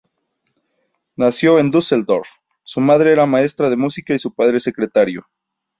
Nació en Düsseldorf, su madre era maestra de música y su padre secretario.